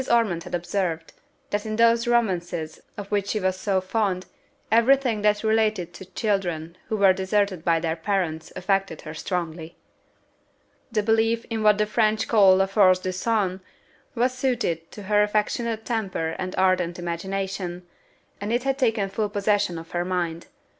Ormond had observed, that in those romances, of which she was so fond, every thing that related to children who were deserted by their parents affected her strongly. The belief in what the French call la force du sang was suited to her affectionate temper and ardent imagination, and it had taken full possession of her mind.